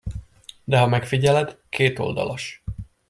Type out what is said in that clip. De ha megfigyeled, kétoldalas.